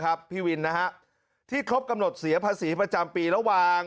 พี่วินนะฮะที่ครบกำหนดเสียภาษีประจำปีระหว่าง